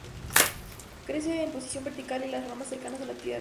Crece en posición vertical y las ramas cercanas a la tierra.